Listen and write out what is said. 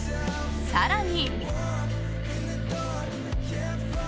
更に。